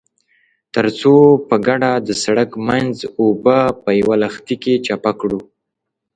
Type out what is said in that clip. ترڅو په ګډه د سړک منځ اوبه په يوه لښتي کې چپه کړو.